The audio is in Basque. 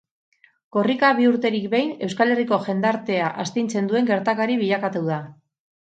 Korrika bi urterik behin Euskal Herriko jendartea astintzen duen gertakari bilakatu da.